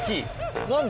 何だ？